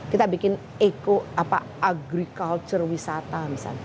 kita bikin agrikultur wisata